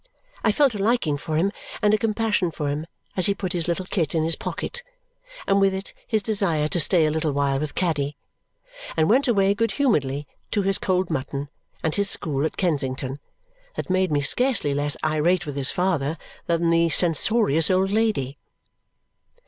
I felt a liking for him and a compassion for him as he put his little kit in his pocket and with it his desire to stay a little while with Caddy and went away good humouredly to his cold mutton and his school at Kensington, that made me scarcely less irate with his father than the censorious old lady.